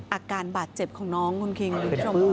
อาการบาดเจ็บของน้องคุณคิงรู้จักไหมคะ